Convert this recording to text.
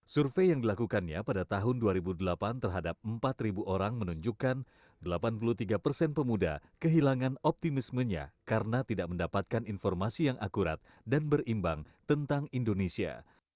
survei yang dilakukannya pada tahun dua ribu delapan terhadap empat orang menunjukkan delapan puluh tiga persen pemuda kehilangan optimismenya karena tidak mendapatkan informasi yang akurat dan berimbang tentang indonesia